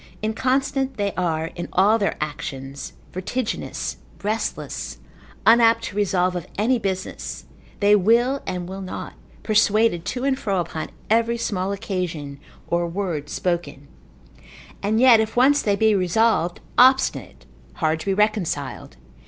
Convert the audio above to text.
_] Inconstant they are in all their actions, vertiginous, restless, unapt to resolve of any business, they will and will not, persuaded to and fro upon every small occasion, or word spoken: and yet if once they be resolved, obstinate, hard to be reconciled.